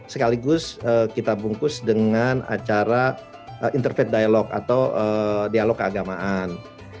sekaligus kita bungkus dengan acara interfait dialog atau dialog keagamaan